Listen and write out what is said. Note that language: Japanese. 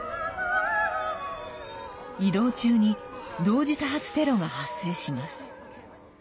移動中に同時多発テロが発生します。